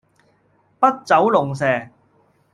筆走龍蛇